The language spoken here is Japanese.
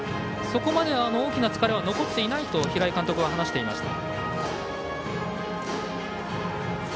そこまで大きな疲れは残っていないと平井監督は話していました。